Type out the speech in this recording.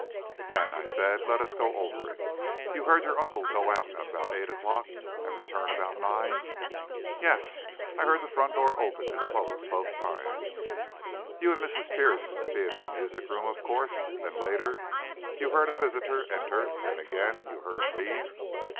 "Then," I said, "let us go over it. You heard your uncle go out at about eight o'clock and return about nine?" "Yes, I heard the front door open and close both times." "You and Mrs. Pierce being in the music room, of course. Then, later, you heard a visitor enter, and again you heard him leave?"